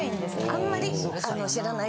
あんまり。